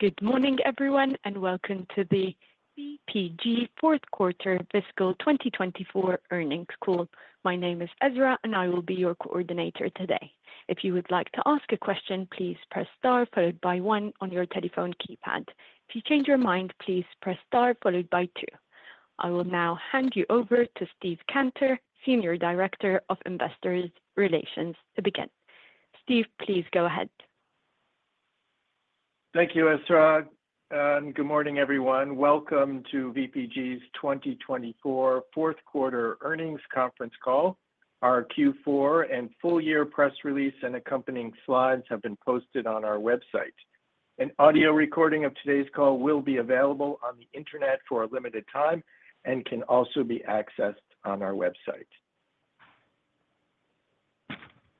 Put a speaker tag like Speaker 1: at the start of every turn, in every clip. Speaker 1: Good morning, everyone, and welcome to the VPG Fourth Quarter Fiscal 2024 earnings call. My name is Ezra, and I will be your coordinator today. If you would like to ask a question, please press star followed by one on your telephone keypad. If you change your mind, please press star followed by two. I will now hand you over to Steve Cantor, Senior Director of Investor Relations, to begin. Steve, please go ahead.
Speaker 2: Thank you, Ezra, and good morning, everyone. Welcome to VPG's 2024 Fourth Quarter earnings conference call. Our Q4 and Full-Year press release and accompanying slides have been posted on our website. An audio recording of today's call will be available on the internet for a limited time and can also be accessed on our website.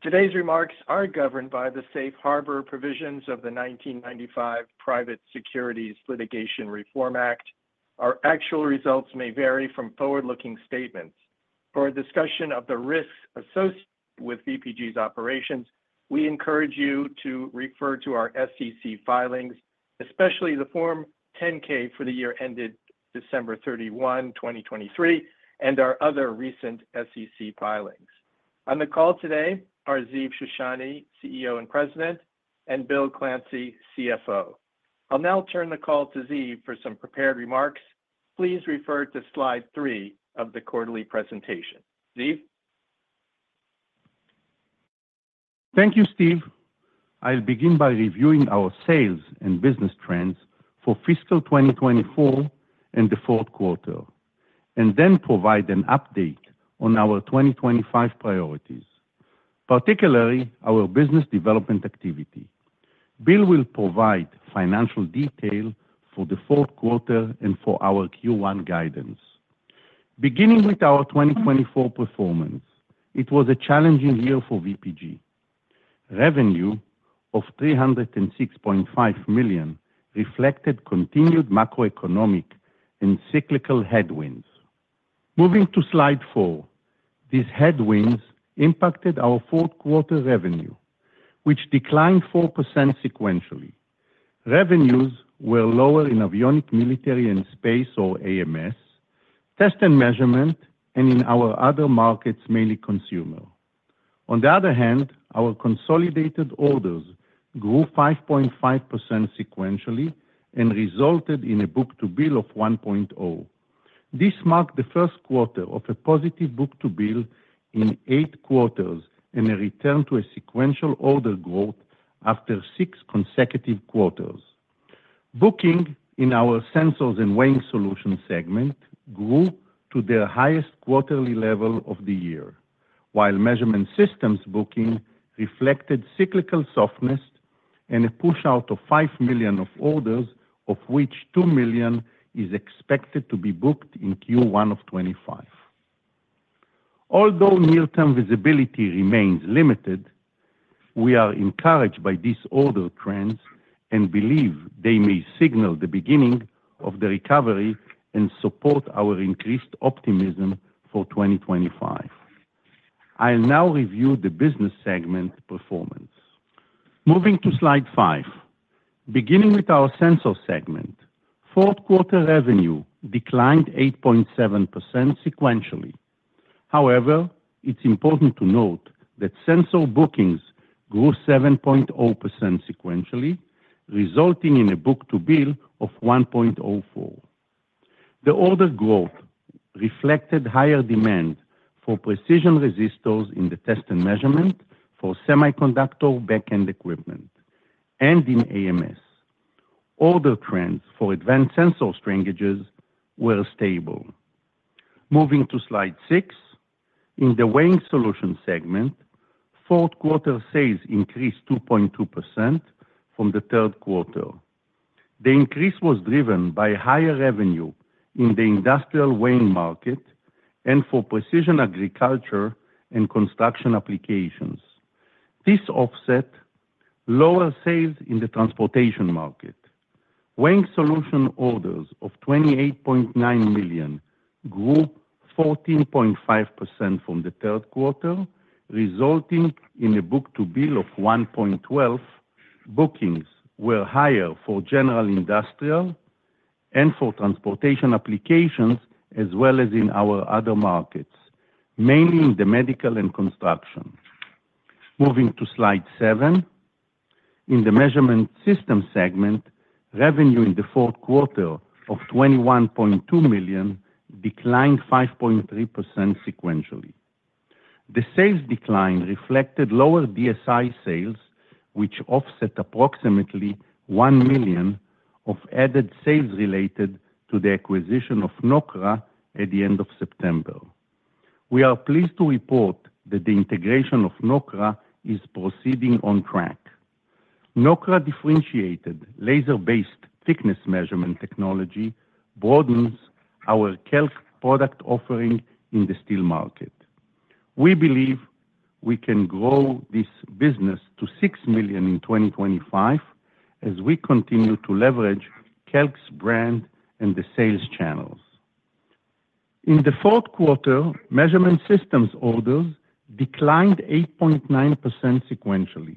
Speaker 2: Today's remarks are governed by the safe harbor provisions of the 1995 Private Securities Litigation Reform Act. Our actual results may vary from forward-looking statements. For a discussion of the risks associated with VPG's operations, we encourage you to refer to our SEC filings, especially the Form 10-K for the year ended December 31, 2023, and our other recent SEC filings. On the call today are Ziv Shoshani, CEO and President, and Bill Clancy, CFO. I'll now turn the call to Ziv for some prepared remarks. Please refer to slide three of the quarterly presentation. Ziv?
Speaker 3: Thank you, Steve. I'll begin by reviewing our sales and business trends for Fiscal 2024 and the fourth quarter, and then provide an update on our 2025 priorities, particularly our business development activity. Bill will provide financial detail for the fourth quarter and for our Q1 guidance. Beginning with our 2024 performance, it was a challenging year for VPG. Revenue of $306.5 million reflected continued macroeconomic and cyclical headwinds. Moving to slide four, these headwinds impacted our fourth quarter revenue, which declined 4% sequentially. Revenues were lower in avionics, military, and space, or AMS, test and measurement, and in our other markets, mainly consumer. On the other hand, our consolidated orders grew 5.5% sequentially and resulted in a book-to-bill of 1.0. This marked the first quarter of a positive book-to-bill in eight quarters and a return to a sequential order growth after six consecutive quarters. Bookings in our sensors and weighing solutions segment grew to their highest quarterly level of the year, while measurement systems bookings reflected cyclical softness and a push-out of 5 million orders, of which 2 million is expected to be booked in Q1 of 2025. Although near-term visibility remains limited, we are encouraged by these order trends and believe they may signal the beginning of the recovery and support our increased optimism for 2025. I'll now review the business segment performance. Moving to slide five, beginning with our sensors segment, fourth quarter revenue declined 8.7% sequentially. However, it's important to note that sensor bookings grew 7.0% sequentially, resulting in a book-to-bill of 1.04. The order growth reflected higher demand for precision resistors in the test and measurement for semiconductor back-end equipment and in AMS. Order trends for advanced sensor strain gages were stable. Moving to slide six, in the weighing solution segment, fourth quarter sales increased 2.2% from the third quarter. The increase was driven by higher revenue in the industrial weighing market and for precision agriculture and construction applications. This offset lowered sales in the transportation market. Weighing solution orders of $28.9 million grew 14.5% from the third quarter, resulting in a book-to-bill of 1.12. Bookings were higher for general industrial and for transportation applications, as well as in our other markets, mainly in the medical and construction. Moving to slide seven, in the measurement system segment, revenue in the fourth quarter of $21.2 million declined 5.3% sequentially. The sales decline reflected lower DSI sales, which offset approximately $1 million of added sales related to the acquisition of Nokra at the end of September. We are pleased to report that the integration of Nokra is proceeding on track. Nokra differentiated laser-based thickness measurement technology broadens our KELK product offering in the steel market. We believe we can grow this business to $6 million in 2025 as we continue to leverage KELK's brand and the sales channels. In the fourth quarter, measurement systems orders declined 8.9% sequentially,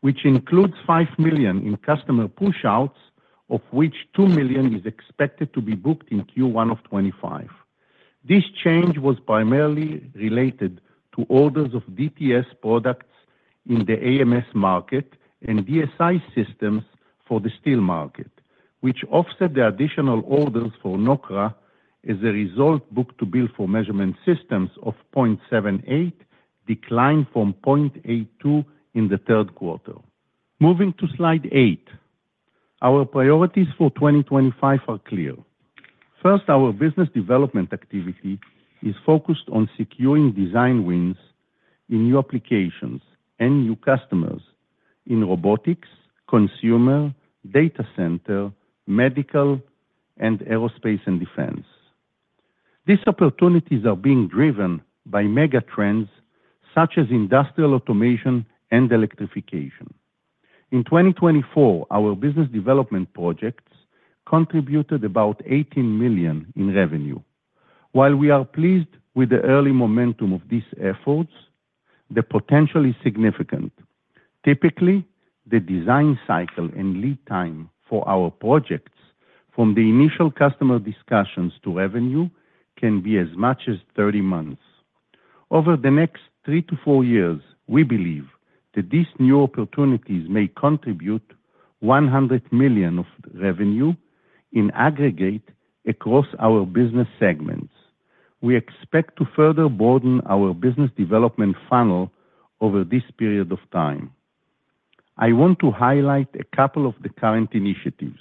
Speaker 3: which includes $5 million in customer push-outs, of which $2 million is expected to be booked in Q1 of 2025. This change was primarily related to orders of DTS products in the AMS market and DSI systems for the steel market, which offset the additional orders for Nokra as a result. Book-to-bill for measurement systems of $0.78 declined from $0.82 in the third quarter. Moving to slide eight, our priorities for 2025 are clear. First, our business development activity is focused on securing design wins in new applications and new customers in robotics, consumer, data center, medical, and aerospace and defense. These opportunities are being driven by megatrends such as industrial automation and electrification. In 2024, our business development projects contributed about $18 million in revenue. While we are pleased with the early momentum of these efforts, the potential is significant. Typically, the design cycle and lead time for our projects, from the initial customer discussions to revenue, can be as much as 30 months. Over the next three to four years, we believe that these new opportunities may contribute $100 million of revenue in aggregate across our business segments. We expect to further broaden our business development funnel over this period of time. I want to highlight a couple of the current initiatives.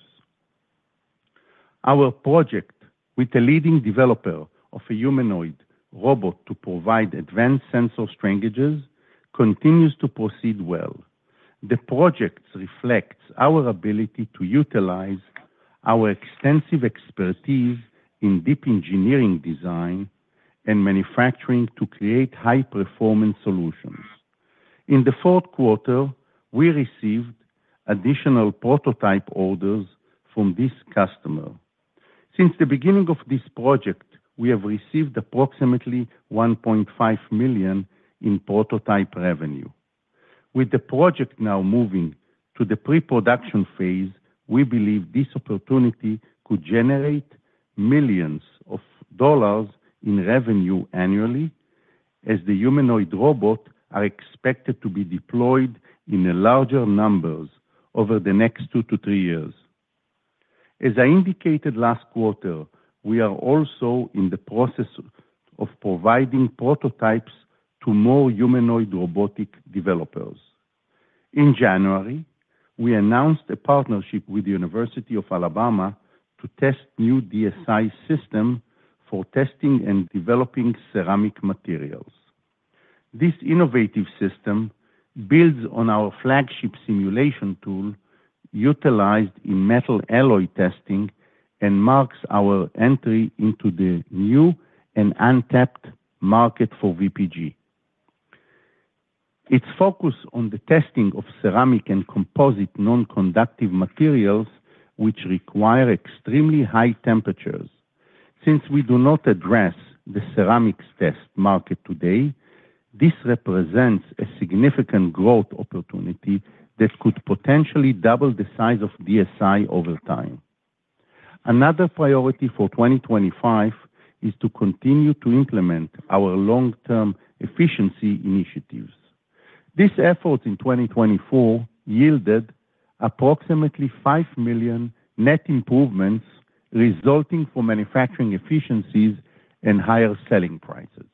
Speaker 3: Our project with the leading developer of a humanoid robot to provide advanced sensor strain gages continues to proceed well. The project reflects our ability to utilize our extensive expertise in deep engineering design and manufacturing to create high-performance solutions. In the fourth quarter, we received additional prototype orders from this customer. Since the beginning of this project, we have received approximately $1.5 million in prototype revenue. With the project now moving to the pre-production phase, we believe this opportunity could generate millions of dollars in revenue annually as the humanoid robots are expected to be deployed in larger numbers over the next two to three years. As I indicated last quarter, we are also in the process of providing prototypes to more humanoid robotic developers. In January, we announced a partnership with the University of Alabama to test new DSI systems for testing and developing ceramic materials. This innovative system builds on our flagship simulation tool utilized in metal alloy testing and marks our entry into the new and untapped market for VPG. It's focused on the testing of ceramic and composite non-conductive materials, which require extremely high temperatures. Since we do not address the ceramics test market today, this represents a significant growth opportunity that could potentially double the size of DSI over time. Another priority for 2025 is to continue to implement our long-term efficiency initiatives. These efforts in 2024 yielded approximately $5 million net improvements, resulting in manufacturing efficiencies and higher selling prices.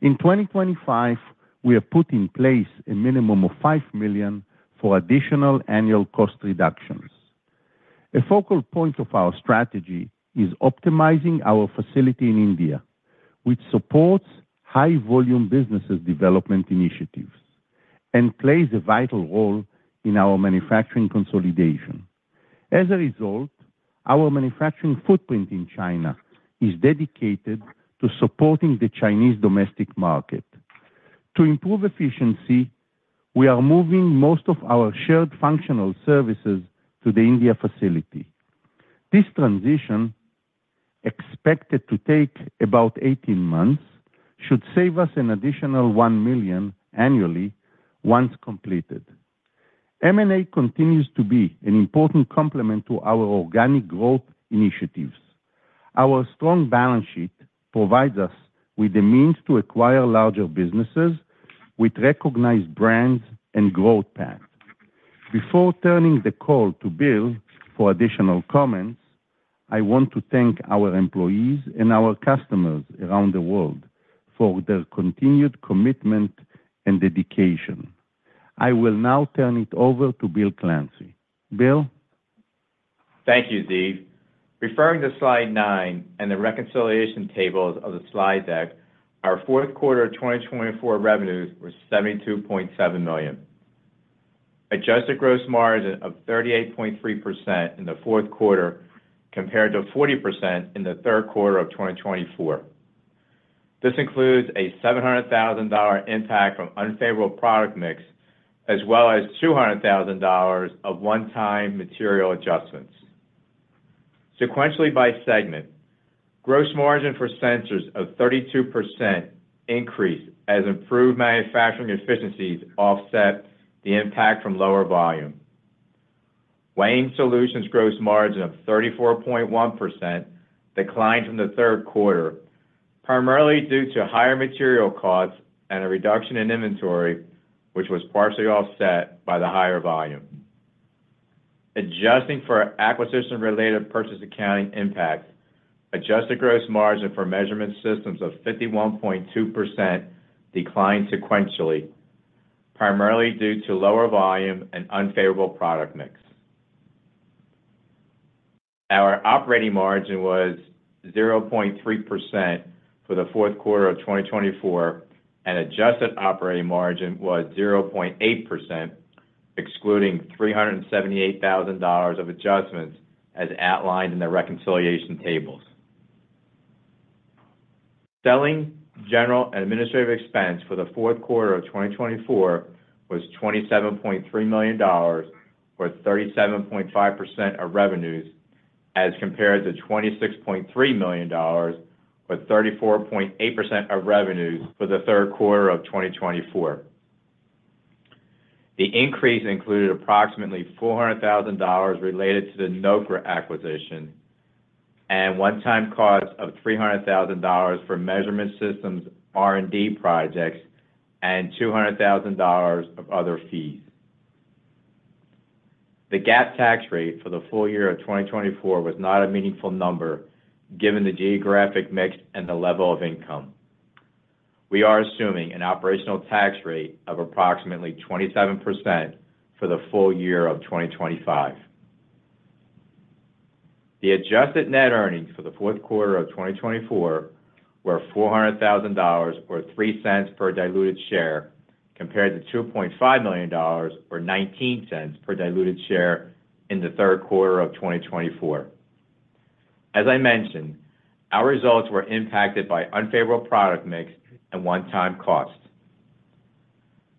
Speaker 3: In 2025, we have put in place a minimum of $5 million for additional annual cost reductions. A focal point of our strategy is optimizing our facility in India, which supports high-volume business development initiatives and plays a vital role in our manufacturing consolidation. As a result, our manufacturing footprint in China is dedicated to supporting the Chinese domestic market. To improve efficiency, we are moving most of our shared functional services to the India facility. This transition, expected to take about 18 months, should save us an additional $1 million annually once completed. M&A continues to be an important complement to our organic growth initiatives. Our strong balance sheet provides us with the means to acquire larger businesses with recognized brands and growth paths. Before turning the call to Bill for additional comments, I want to thank our employees and our customers around the world for their continued commitment and dedication. I will now turn it over to Bill Clancy. Bill?
Speaker 4: Thank you, Ziv. Referring to slide nine and the reconciliation tables of the slide deck, our fourth quarter 2024 revenues were $72.7 million, an adjusted gross margin of 38.3% in the fourth quarter compared to 40% in the third quarter of 2024. This includes a $700,000 impact from unfavorable product mix, as well as $200,000 of one-time material adjustments. Sequentially by segment, gross margin for sensors of 32% increased as improved manufacturing efficiencies offset the impact from lower volume. Weighing solutions gross margin of 34.1% declined from the third quarter, primarily due to higher material costs and a reduction in inventory, which was partially offset by the higher volume. Adjusting for acquisition-related purchase accounting impact, adjusted gross margin for measurement systems of 51.2% declined sequentially, primarily due to lower volume and unfavorable product mix. Our operating margin was 0.3% for the fourth quarter of 2024, and adjusted operating margin was 0.8%, excluding $378,000 of adjustments as outlined in the reconciliation tables. Selling, general, and administrative expense for the fourth quarter of 2024 was $27.3 million, or 37.5% of revenues, as compared to $26.3 million, or 34.8% of revenues for the third quarter of 2024. The increase included approximately $400,000 related to the Nokra acquisition and one-time costs of $300,000 for measurement systems R&D projects and $200,000 of other fees. The GAAP tax rate for the full year of 2024 was not a meaningful number given the geographic mix and the level of income. We are assuming an operational tax rate of approximately 27% for the full year of 2025. The adjusted net earnings for the fourth quarter of 2024 were $400,000 or $0.03 per diluted share compared to $2.5 million or $0.19 per diluted share in the third quarter of 2024. As I mentioned, our results were impacted by unfavorable product mix and one-time costs.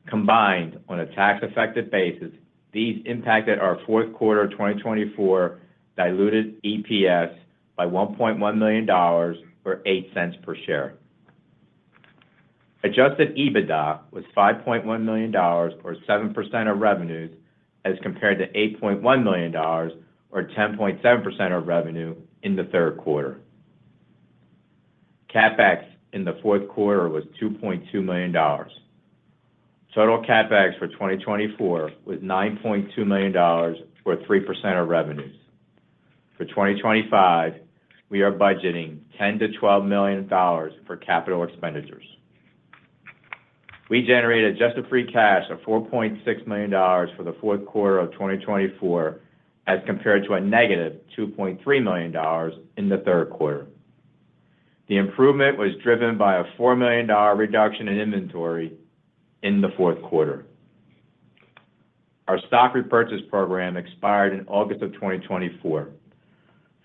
Speaker 4: Combined on a tax-affected basis, these impacted our fourth quarter 2024 diluted EPS by $1.1 million or $0.08 per share. Adjusted EBITDA was $5.1 million or 7% of revenues as compared to $8.1 million or 10.7% of revenue in the third quarter. CapEx in the fourth quarter was $2.2 million. Total CapEx for 2024 was $9.2 million or 3% of revenues. For 2025, we are budgeting $10-$12 million for capital expenditures. We generated adjusted free cash of $4.6 million for the fourth quarter of 2024 as compared to a negative $2.3 million in the third quarter. The improvement was driven by a $4 million reduction in inventory in the fourth quarter. Our stock repurchase program expired in August of 2024.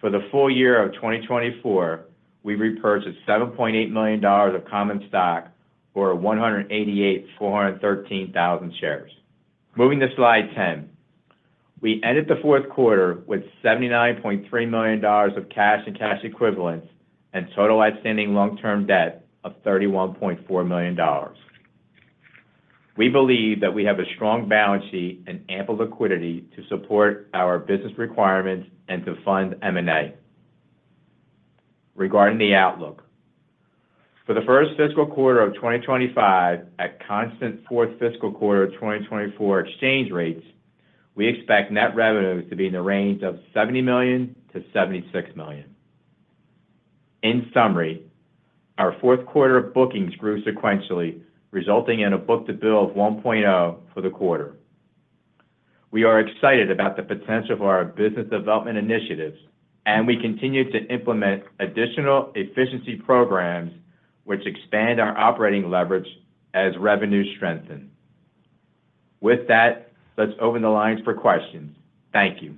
Speaker 4: For the full year of 2024, we repurchased $7.8 million of common stock, or 188,413,000 shares. Moving to slide ten, we ended the fourth quarter with $79.3 million of cash and cash equivalents and total outstanding long-term debt of $31.4 million. We believe that we have a strong balance sheet and ample liquidity to support our business requirements and to fund M&A. Regarding the outlook, for the first fiscal quarter of 2025, at constant fourth fiscal quarter 2024 exchange rates, we expect net revenues to be in the range of $70 million-$76 million. In summary, our fourth quarter bookings grew sequentially, resulting in a book-to-bill of 1.0 for the quarter. We are excited about the potential for our business development initiatives, and we continue to implement additional efficiency programs which expand our operating leverage as revenues strengthen. With that, let's open the lines for questions. Thank you.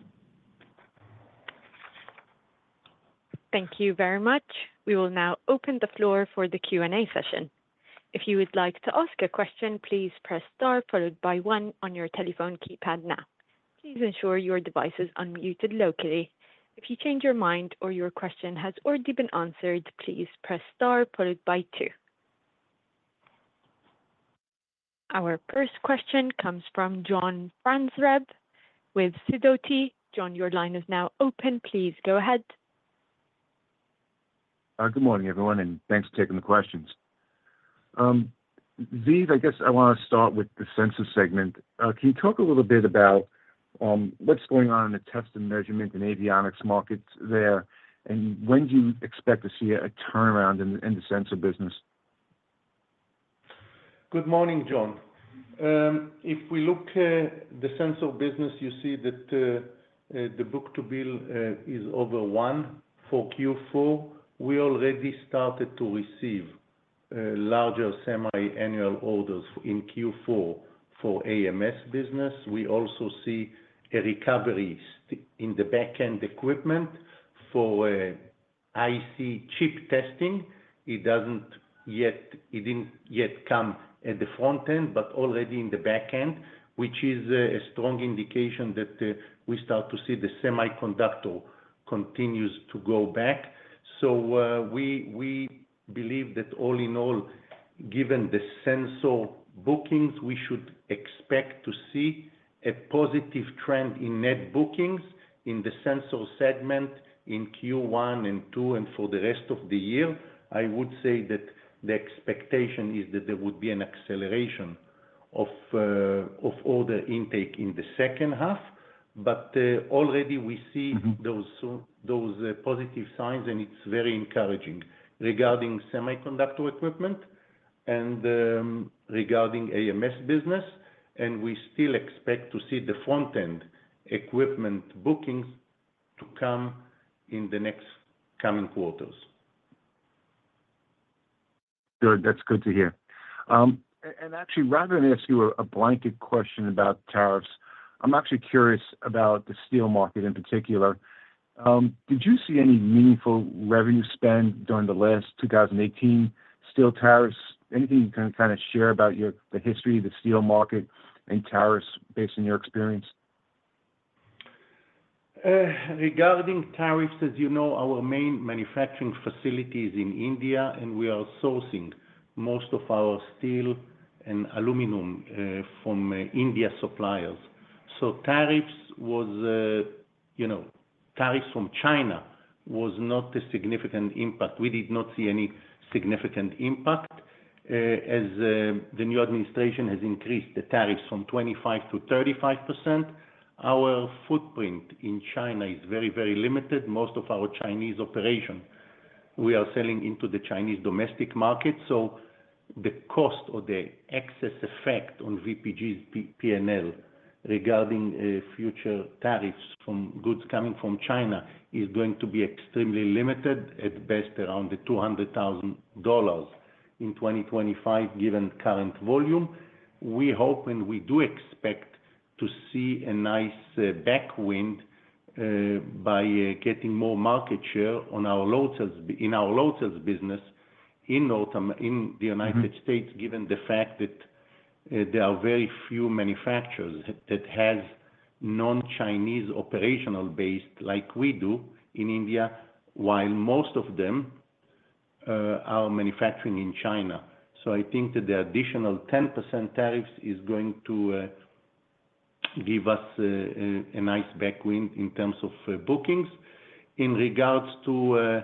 Speaker 1: Thank you very much. We will now open the floor for the Q&A session. If you would like to ask a question, please press star followed by one on your telephone keypad now. Please ensure your device is unmuted locally. If you change your mind or your question has already been answered, please press star followed by two. Our first question comes from John Franzreb with Sidoti. John, your line is now open. Please go ahead.
Speaker 5: Good morning, everyone, and thanks for taking the questions. Ziv, I guess I want to start with the sensor segment. Can you talk a little bit about what's going on in the test and measurement and avionics markets there, and when do you expect to see a turnaround in the sensor business?
Speaker 3: Good morning, John. If we look at the sensor business, you see that the book-to-bill is over one for Q4. We already started to receive larger semi-annual orders in Q4 for AMS business. We also see a recovery in the back-end equipment for IC chip testing. It didn't yet come at the front-end, but already in the back-end, which is a strong indication that we start to see the semiconductor continues to go back. So we believe that all in all, given the sensor bookings, we should expect to see a positive trend in net bookings in the sensor segment in Q1 and Q2 and for the rest of the year. I would say that the expectation is that there would be an acceleration of order intake in the second half, but already we see those positive signs, and it's very encouraging regarding semiconductor equipment and regarding AMS business. We still expect to see the front-end equipment bookings to come in the next coming quarters.
Speaker 5: Good. That's good to hear. And actually, rather than ask you a blanket question about tariffs, I'm actually curious about the steel market in particular. Did you see any meaningful revenue spend during the last 2018 steel tariffs? Anything you can kind of share about the history of the steel market and tariffs based on your experience?
Speaker 3: Regarding tariffs, as you know, our main manufacturing facility is in India, and we are sourcing most of our steel and aluminum from Indian suppliers. So tariffs from China were not a significant impact. We did not see any significant impact. As the new administration has increased the tariffs from 25% to 35%, our footprint in China is very, very limited. Most of our Chinese operations, we are selling into the Chinese domestic market. So the cost or the excess effect on VPG's P&L regarding future tariffs from goods coming from China is going to be extremely limited, at best around $200,000 in 2025, given current volume. We hope and we do expect to see a nice tailwind by getting more market share in our load cells business in the United States, given the fact that there are very few manufacturers that have non-Chinese operational base like we do in India, while most of them are manufacturing in China. So I think that the additional 10% tariffs is going to give us a nice tailwind in terms of bookings. In regards to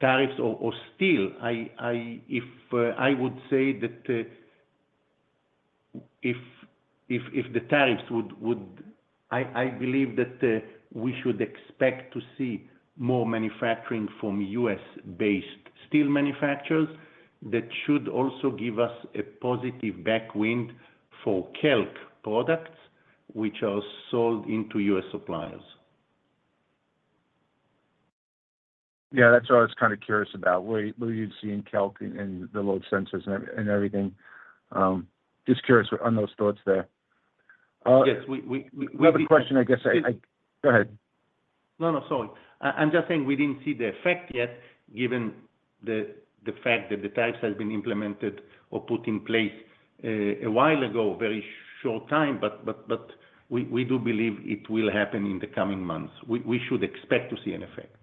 Speaker 3: tariffs or steel, I would say that if the tariffs would, I believe that we should expect to see more manufacturing from U.S.-based steel manufacturers that should also give us a positive tailwind for KELK products, which are sold into U.S. suppliers.
Speaker 5: Yeah, that's what I was kind of curious about. What are you seeing KELK in the load cells and everything? Just curious on those thoughts there.
Speaker 3: Yes, we did.
Speaker 5: We have a question, I guess. Go ahead.
Speaker 3: No, no, sorry. I'm just saying we didn't see the effect yet, given the fact that the tariffs have been implemented or put in place a while ago, a very short time, but we do believe it will happen in the coming months. We should expect to see an effect.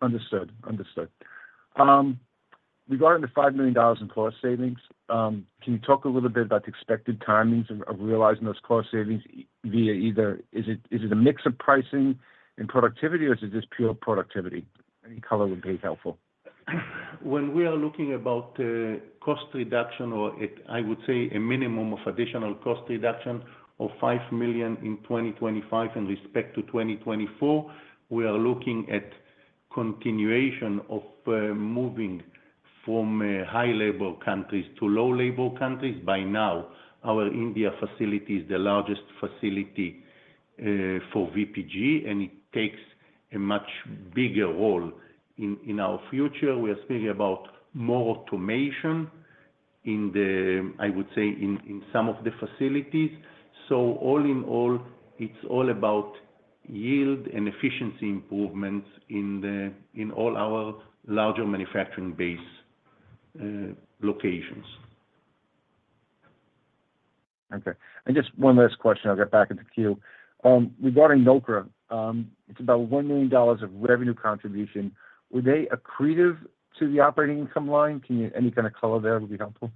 Speaker 5: Understood. Regarding the $5 million in cost savings, can you talk a little bit about the expected timing of realizing those cost savings via either is it a mix of pricing and productivity, or is it just pure productivity? Any color would be helpful.
Speaker 3: When we are looking about cost reduction, or I would say a minimum of additional cost reduction of $5 million in 2025 in respect to 2024, we are looking at continuation of moving from high-labor countries to low-labor countries. By now, our India facility is the largest facility for VPG, and it takes a much bigger role in our future. We are speaking about more automation in, I would say, in some of the facilities. So all in all, it's all about yield and efficiency improvements in all our larger manufacturing base locations.
Speaker 5: Okay. And just one last question. I'll get back into queue. Regarding Nokra, it's about $1 million of revenue contribution. Were they accretive to the operating income line? Any kind of color there would be helpful.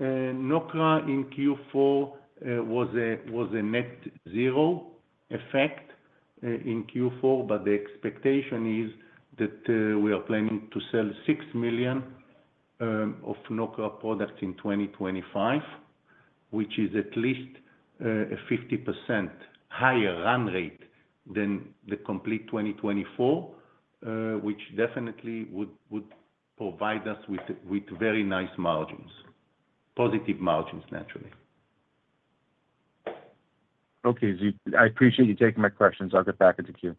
Speaker 3: Nokra in Q4 was a net zero effect in Q4, but the expectation is that we are planning to sell $6 million of Nokra products in 2025, which is at least a 50% higher run rate than the complete 2024, which definitely would provide us with very nice margins, positive margins, naturally.
Speaker 5: Okay, Ziv. I appreciate you taking my questions. I'll get back into queue.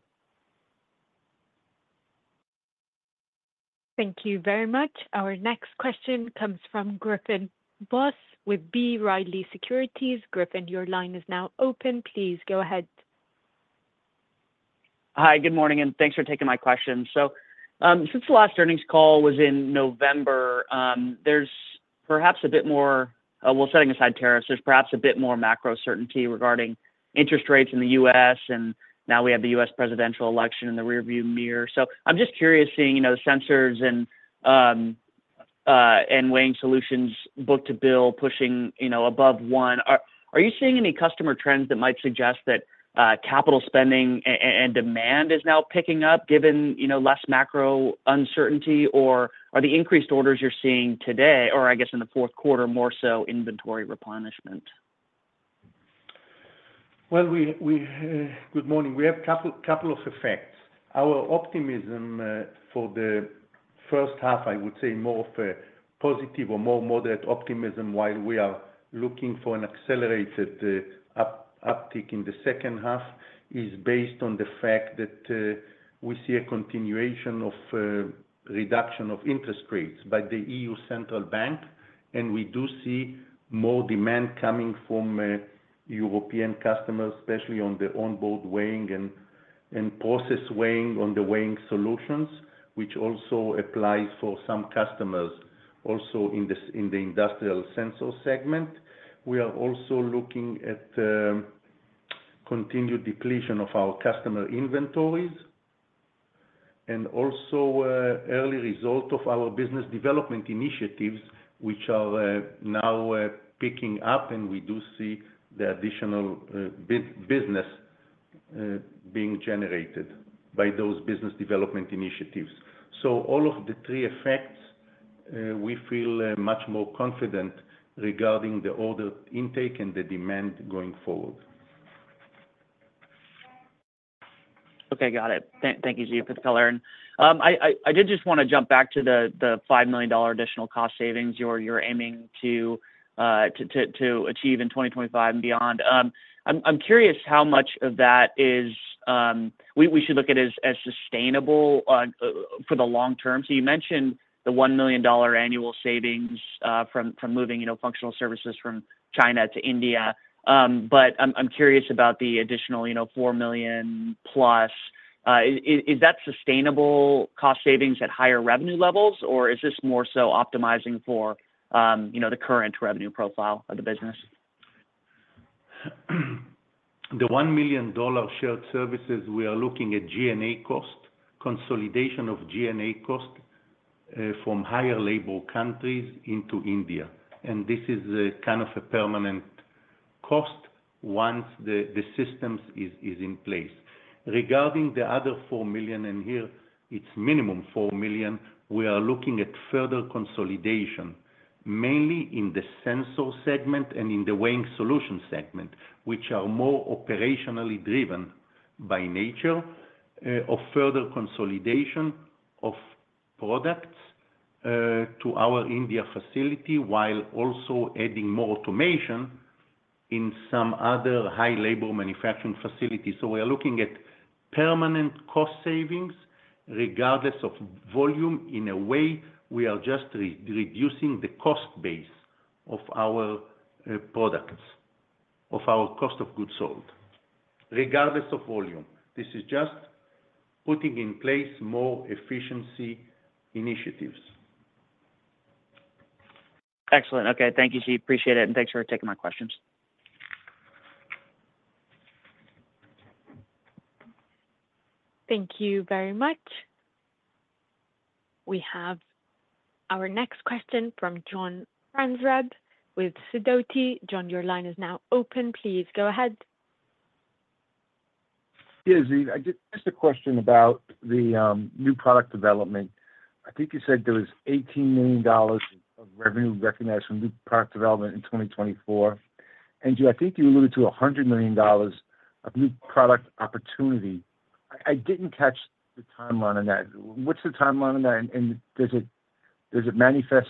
Speaker 1: Thank you very much. Our next question comes from Griffin Boss with B. Riley Securities. Griffin, your line is now open. Please go ahead.
Speaker 6: Hi, good morning, and thanks for taking my question. So since the last earnings call was in November, there's perhaps a bit more, well, setting aside tariffs, there's perhaps a bit more macro certainty regarding interest rates in the U.S. And now we have the U.S. presidential election in the rearview mirror. So I'm just curious, seeing the sensors and weighing solutions, book-to-bill pushing above one, are you seeing any customer trends that might suggest that capital spending and demand is now picking up given less macro uncertainty? Or are the increased orders you're seeing today, or I guess in the fourth quarter more so inventory replenishment?
Speaker 3: Good morning. We have a couple of effects. Our optimism for the first half, I would say more of a positive or more moderate optimism while we are looking for an accelerated uptick in the second half, is based on the fact that we see a continuation of reduction of interest rates by the European Central Bank. We do see more demand coming from European customers, especially on the onboard weighing and process weighing on the weighing solutions, which also applies for some customers also in the industrial sensor segment. We are also looking at continued depletion of our customer inventories and also early result of our business development initiatives, which are now picking up, and we do see the additional business being generated by those business development initiatives. So all of the three effects, we feel much more confident regarding the order intake and the demand going forward.
Speaker 6: Okay, got it. Thank you, Ziv, for the color, and I did just want to jump back to the $5 million additional cost savings you're aiming to achieve in 2025 and beyond. I'm curious how much of that we should look at as sustainable for the long term, so you mentioned the $1 million annual savings from moving functional services from China to India, but I'm curious about the additional $4 million plus. Is that sustainable cost savings at higher revenue levels, or is this more so optimizing for the current revenue profile of the business?
Speaker 3: The $1 million shared services. We are looking at G&A cost, consolidation of G&A cost from higher labor countries into India, and this is kind of a permanent cost once the systems are in place. Regarding the other $4 million, and here it's minimum $4 million, we are looking at further consolidation, mainly in the sensor segment and in the weighing solutions segment, which are more operationally driven by nature of further consolidation of products to our India facility, while also adding more automation in some other high-labor manufacturing facilities, so we are looking at permanent cost savings regardless of volume. In a way, we are just reducing the cost base of our products, of our cost of goods sold, regardless of volume. This is just putting in place more efficiency initiatives.
Speaker 6: Excellent. Okay, thank you, Ziv. Appreciate it. And thanks for taking my questions.
Speaker 1: Thank you very much. We have our next question from John Franzreb with Sidoti. John, your line is now open. Please go ahead.
Speaker 5: Yeah, Ziv. I just had a question about the new product development. I think you said there was $18 million of revenue recognized from new product development in 2024. And I think you alluded to $100 million of new product opportunity. I didn't catch the timeline on that. What's the timeline on that? And does it manifest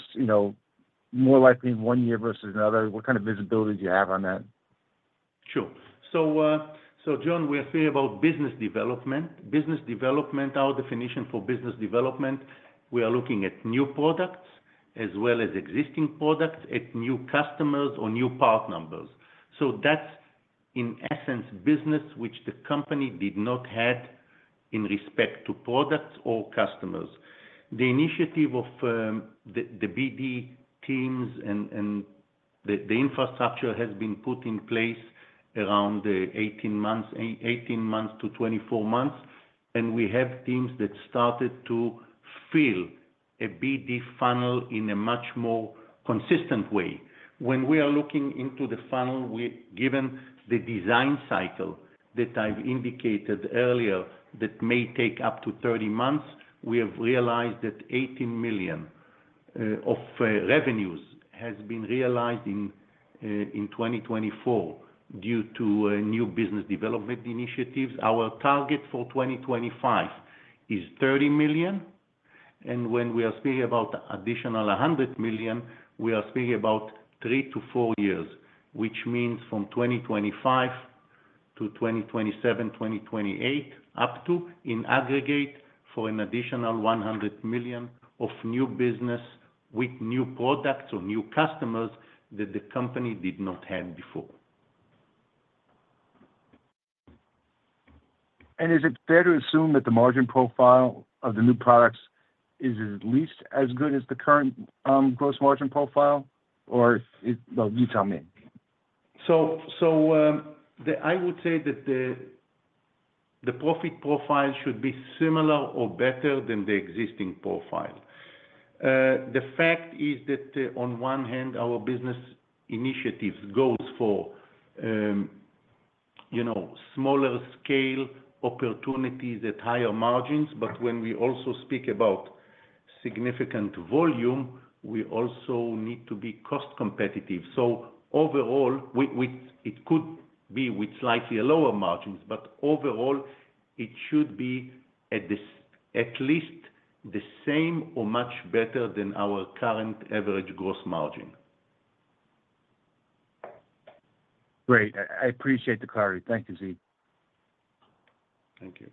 Speaker 5: more likely in one year versus another? What kind of visibility do you have on that?
Speaker 3: Sure. So, John, we are seeing about business development. Our definition for business development, we are looking at new products as well as existing products at new customers or new part numbers. So that's, in essence, business which the company did not have in respect to products or customers. The initiative of the BD teams and the infrastructure has been put in place around 18 months to 24 months. And we have teams that started to fill a BD funnel in a much more consistent way. When we are looking into the funnel, given the design cycle that I've indicated earlier that may take up to 30 months, we have realized that $18 million of revenues has been realized in 2024 due to new business development initiatives. Our target for 2025 is $30 million. When we are speaking about additional $100 million, we are speaking about three to four years, which means from 2025 to 2027, 2028, up to, in aggregate, for an additional $100 million of new business with new products or new customers that the company did not have before.
Speaker 5: Is it fair to assume that the margin profile of the new products is at least as good as the current gross margin profile? Or you tell me.
Speaker 3: So I would say that the profit profile should be similar or better than the existing profile. The fact is that, on one hand, our business initiatives go for smaller scale opportunities at higher margins. But when we also speak about significant volume, we also need to be cost competitive. So overall, it could be with slightly lower margins, but overall, it should be at least the same or much better than our current average gross margin.
Speaker 5: Great. I appreciate the clarity. Thank you, Ziv.
Speaker 3: Thank you.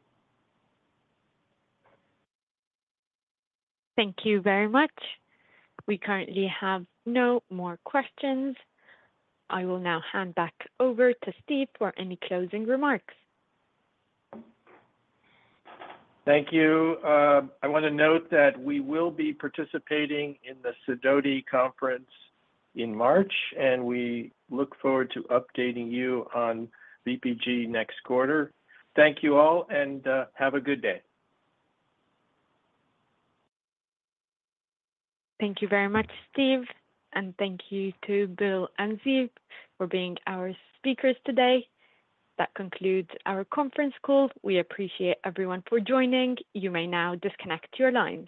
Speaker 1: Thank you very much. We currently have no more questions. I will now hand back over to Steve for any closing remarks.
Speaker 2: Thank you. I want to note that we will be participating in the Sidoti Conference in March, and we look forward to updating you on VPG next quarter. Thank you all, and have a good day.
Speaker 1: Thank you very much, Steve. And thank you to Bill and Ziv for being our speakers today. That concludes our conference call. We appreciate everyone for joining. You may now disconnect your line.